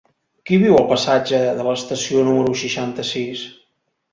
Qui viu al passatge de l'Estació número seixanta-sis?